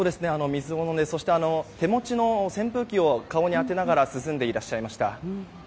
水を飲んで手持ちの扇風機を顔に当てながら涼んでいらっしゃいました。